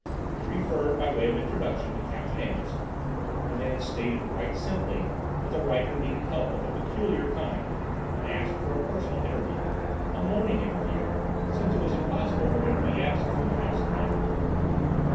It referred by way of introduction to Captain Anderson, and then stated quite simply that the writer needed help of a peculiar kind and asked for a personal interview—a morning interview, since it was impossible for him to be absent from the house at night.